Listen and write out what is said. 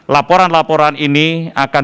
laporan laporan ini akan